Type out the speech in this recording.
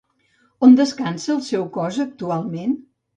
On descansa el seu cos actualment?